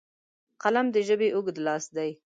قلم د ژبې اوږد لاس دی